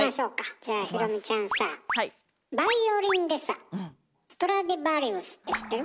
じゃあ裕美ちゃんさぁバイオリンでさストラディヴァリウスって知ってる？